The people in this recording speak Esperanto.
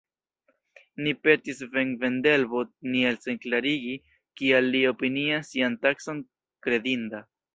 Ni petis Svend Vendelbo Nielsen klarigi, kial li opinias sian takson kredinda.